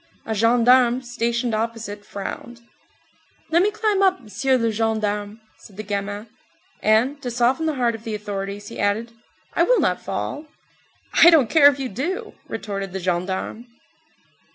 A gendarme stationed opposite frowned. "Let me climb up, m'sieu le gendarme," said the gamin. And, to soften the heart of the authorities he added: "I will not fall." "I don't care if you do," retorted the gendarme.